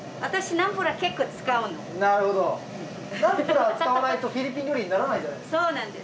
ナンプラー使わないとフィリピン料理にならないじゃないですか。